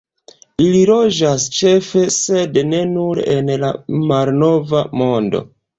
Ili loĝas ĉefe, sed ne nur en la Malnova Mondo.